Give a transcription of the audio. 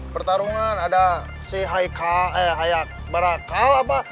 pertarungan ada si hai ka eh haiya barakal apa